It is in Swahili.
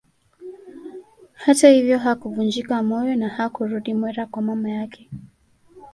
Hata hivyo hakuvunjika moyo na hakurudi Mwera kwa mama yake